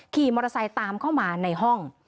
ขี่มอเตอร์ไซค์ตามเข้ามาในห้อง